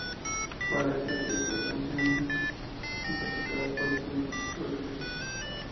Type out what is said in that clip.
Para esta película, la canción es interpretada por: Jim Sturgess.